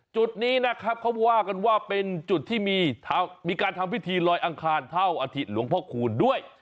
จุดนี้นะครับเขาว่ากันว่าเป็นจุดที่มีการทำพิธีลอยอังคารเท่าอาทิตย์หลวงพ่อคูณด้วย